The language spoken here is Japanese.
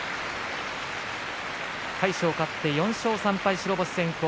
魁勝勝って４勝３敗、白星先行。